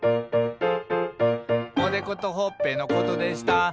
「おでことほっぺのことでした」